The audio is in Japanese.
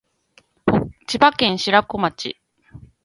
千葉県白子町